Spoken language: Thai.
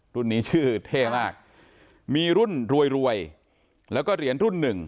รุ่นนี้ชื่อเท่มากมีรุ่นรวยรวยแล้วก็เหรียญรุ่นหนึ่ง